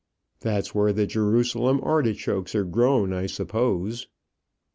"That's where the Jerusalem artichokes are grown, I suppose."